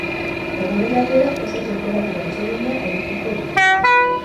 Eguerdi aldera oso tenperatura atsegina edukiko dugu.